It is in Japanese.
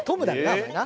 お前な。